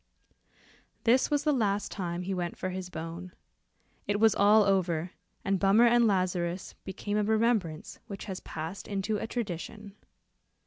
'" This was the last time he went for his bone. It was all over, and Bummer and Lazarus became a remembrance which has passed into a tradition.